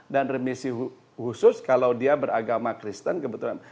dan remisi khusus kalau dia beragama kristen